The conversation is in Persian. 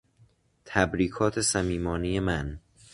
تبریکات صمیمانهی من